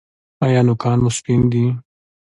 ایا نوکان مو سپین دي؟